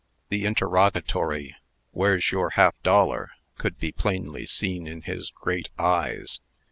The interrogatory, "Where's your half dollar?" could be plainly seen in his great eyes.